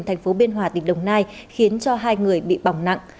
thành phố biên hòa tỉnh đồng nai khiến cho hai người bị bỏng nặng